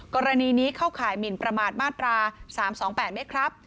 กรณีนี้เข้าข่ายหมินประมาทมาตรา๓๒๘ไหมครับ